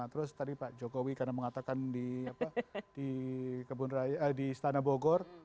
terus tadi pak jokowi karena mengatakan di istana bogor